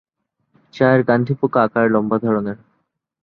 চায়ের গান্ধি পোকা আকারে লম্বা ধরনের।